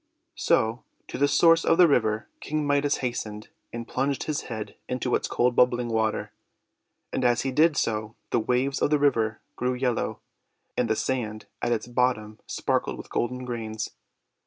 So to the source of the river King Midas hastened, and plunged his head into its cold bubbling water. And as he did so the waves of the river grew yellow, and the sand at its bottom sparkled with golden grains.